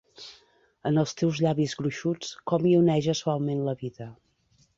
En els teus llavis gruixuts, com hi oneja suaument la vida!